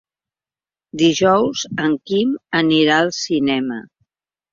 Dijous en Quim anirà al cinema.